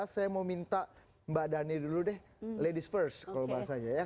saya mau minta mbak dhani dulu deh ladies first kalau bahasanya ya